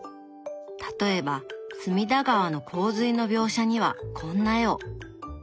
例えば隅田川の洪水の描写にはこんな絵を。